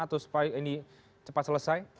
atau supaya ini cepat selesai